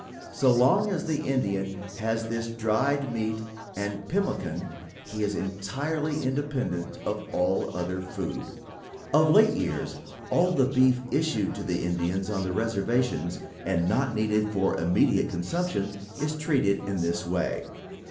So long as the Indian has this dried meat and pemmican he is entirely independent of all other food. Of late years all the beef issued to the Indians on the reservations, and not needed for immediate consumption, is treated in this way.